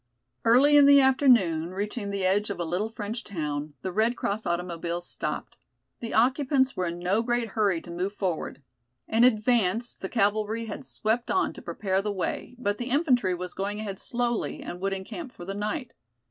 Early in the afternoon, reaching the edge of a little French town, the Red Cross automobiles stopped. The occupants were in no great hurry to move forward. In advance the cavalry had swept on to prepare the way, but the infantry was going ahead slowly and would encamp for the night.